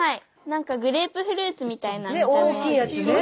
なんかグレープフルーツみたいな見た目。